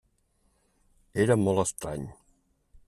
Era molt estrany.